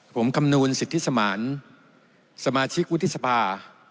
ผมคำนวณสิทธิสมานสมาชิกวุฒิสภา